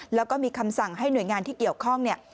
แล้วก็มีคำสั่งให้หน่วยงานที่เกี่ยวข้องเนี่ย